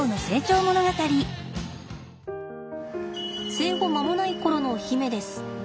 生後間もない頃の媛です。